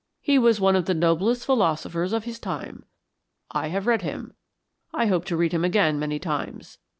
"He was one of the noblest philosophers of his time. I have read him, I hope to read him again many times.